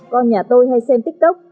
con nhà tôi hay xem tiktok